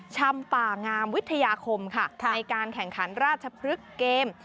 ชำป่างามวิทยาคมค่ะในการแข่งขันราชพฤกษ์เกม